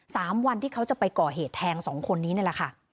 สามวันที่เขาจะไปก่อเหตุแทงสองคนนี้นี่แหละค่ะ